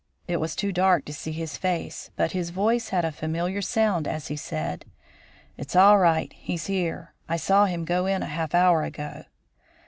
It was too dark to see his face, but his voice had a familiar sound as he said: "It's all right. He's there. I saw him go in a half hour ago."